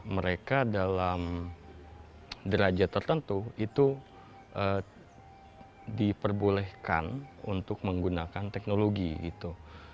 mereka dalam derajat tertentu itu diperbolehkan untuk menggunakan teknologi gitu